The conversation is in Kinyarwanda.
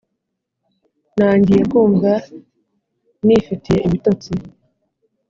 Nangiye kumva nifitiye ibitotsi